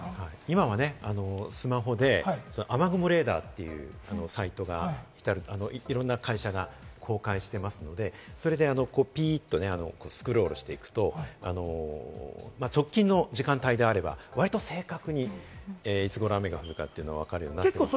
今はスマホで雨雲レーダーというサイトがいろんな会社が公開していますので、それでスクロールしていくと、直近の時間帯であれば割と正確にいつごろ雨が降るか分かるようになっていますので。